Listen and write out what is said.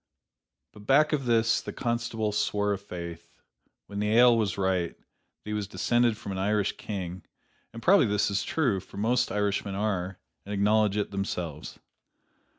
But back of this the constable swore i' faith, when the ale was right, that he was descended from an Irish King, and probably this is true, for most Irishmen are, and acknowledge it themselves.